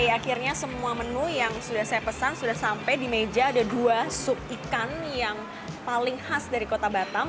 akhirnya semua menu yang sudah saya pesan sudah sampai di meja ada dua sup ikan yang paling khas dari kota batam